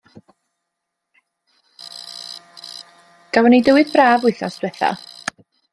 Gafo' ni dywydd braf wythnos ddwytha'.